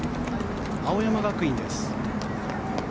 青山学院です。